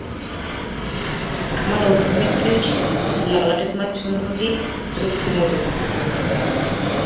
আমার অন্তিমের প্রেয়সী, ললাটে তোমার চুম্বন নিয়ে চক্ষু মুদব।